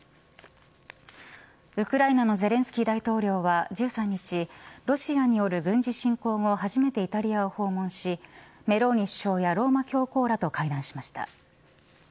ウクライナのゼレンスキー大統領は１３日ロシアによる軍事侵攻後初めてイタリアを訪問しメローニ首相やローマ教皇らと会談しました。